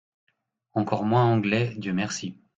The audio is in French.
Encore moins anglais, dieu merci !